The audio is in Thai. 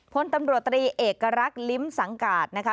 พลตำรวจตรีเอกลักษณ์ลิ้มสังกาศนะคะ